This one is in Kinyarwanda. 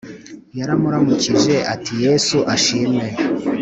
Yamuramukije ati yesu ashimwe